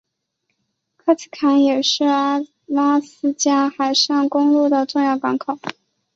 克奇坎也是阿拉斯加海上公路的重要港口。